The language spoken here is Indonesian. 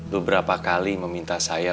beberapa kali meminta saya